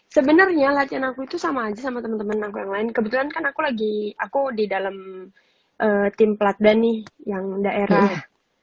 sebenarnya latihan aku itu sama aja sama teman teman aku yang lain kebetulan kan aku lagi aku di dalam tim platdan nih yang daerah